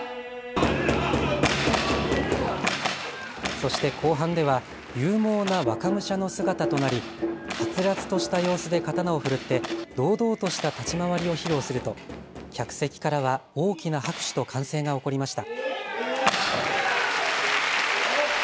そして後半では勇猛な若武者の姿となり、はつらつとした様子で刀を振るって堂々とした立ち回りを披露すると客席からは大きな拍手と歓声が起こりました。